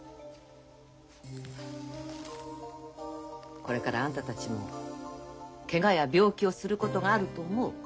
これからあんたたちもケガや病気をすることがあると思う。